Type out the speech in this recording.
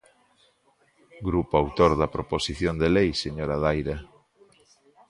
Grupo autor da proposición de lei, señora Daira.